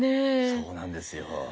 そうなんですよ。